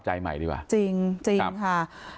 จริงจริงค่ะ